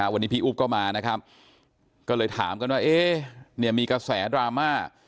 วันนี้พี่อุ๊บก็มานะครับก็เลยถามกันว่ามีกระแสดราม่า